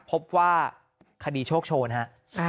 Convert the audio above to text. พบว่าคดีโชคโชนฮะ